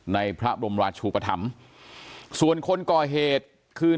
ในพระบรมราชูปธรรมส่วนคนก่อเหตุคือ